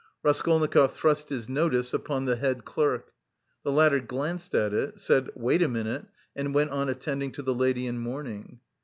Raskolnikov thrust his notice upon the head clerk. The latter glanced at it, said: "Wait a minute," and went on attending to the lady in mourning.